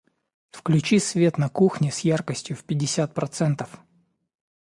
Включи свет на кухне с яркостью в пятьдесят процентов.